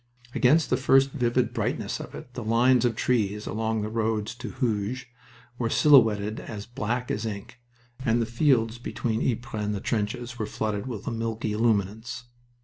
Against the first vivid brightness of it the lines of trees along the roads to Hooge were silhouetted as black as ink, and the fields between Ypres and the trenches were flooded with a milky luminance.